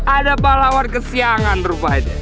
ada pahlawan kesiangan berupa aja